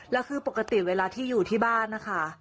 แล้วคือปกติเวลาที่อยู่ที่บ้านนะคะ